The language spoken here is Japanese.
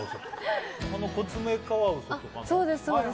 そうです。